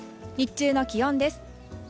日中の気温です。